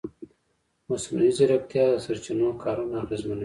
مصنوعي ځیرکتیا د سرچینو کارونه اغېزمنوي.